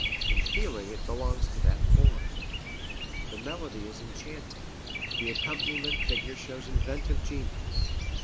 In feeling it belongs to that form. The melody is enchanting. The accompaniment figure shows inventive genius.